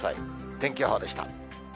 天気予報でした。